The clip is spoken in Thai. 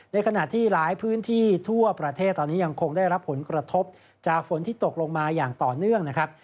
ในขณะที่หลายพื้นที่ทั่วประเทศตอนนี้ยังคงได้รับผลกระทบจากฝนที่ตกลงมาอย่างต่อเนื่องนะครับ